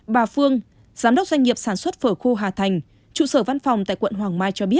bà phương giám đốc doanh nghiệp sản xuất phở khu hà thành trụ sở văn phòng tại quận hoàng mai cho biết